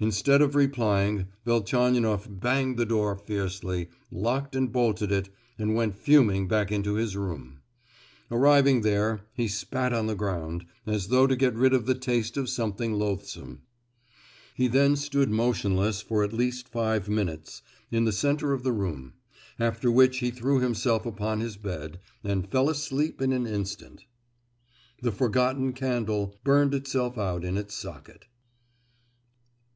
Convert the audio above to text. Instead of replying, Velchaninoff banged the door fiercely, locked and bolted it, and went fuming back into his room. Arrived there, he spat on the ground, as though to get rid of the taste of something loathsome. He then stood motionless for at least five minutes, in the centre of the room; after which he threw himself upon his bed, and fell asleep in an instant. The forgotten candle burned itself out in its socket.